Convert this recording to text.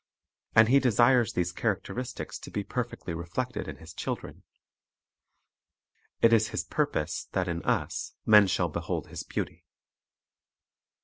And He desires these characteristics to be perfectly reflected in His children. It is His purpose that in us men shall behold His beauty.